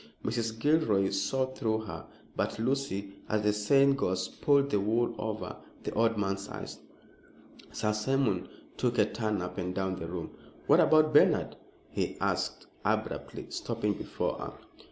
Mrs. Gilroy saw through her, but Lucy as the saying goes pulled the wool over the old man's eyes. Sir Simon took a turn up and down the room. "What about Bernard?" he asked, abruptly stopping before her.